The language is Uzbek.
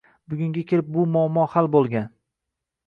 Bugunga kelib, bu muammo hal boʻlgan.